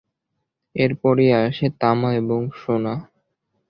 এর পরেই আসে তামা এবং সোনা।